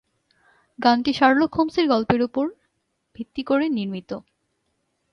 গানটি শার্লক হোমসের গল্পের উপর ভিত্তি করে নির্মিত।